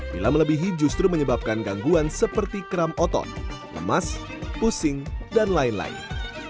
bila melebihi justru menyebabkan gangguan seperti kram otot lemas pusing dan lain lain